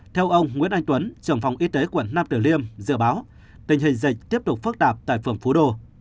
theo ông nguyễn anh tuấn trưởng phòng y tế quận nam tử liêm dự báo tình hình dịch tiếp tục phức tạp tại phường phú đô